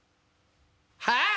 「はあ？」。